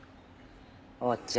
お茶。